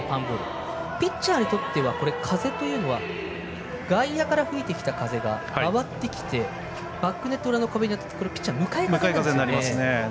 ピッチャーにとっては風というのは外野から吹いてきた風が回ってきてバックネット裏に当たるとピッチャーにとって向かい風になるんですね。